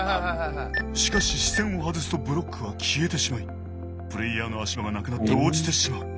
しかし視線を外すとブロックは消えてしまいプレイヤーの足場がなくなって落ちてしまう。